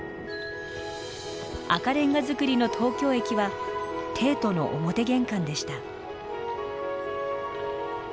赤レンガ造りの東京駅は帝都の表玄関でした。